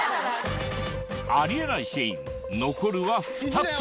ありえないシーン残るは２つ。